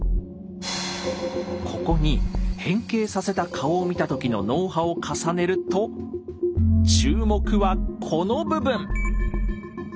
ここに変形させた顔を見た時の脳波を重ねると注目はこの部分！